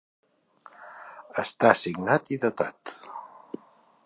Està signat i datat.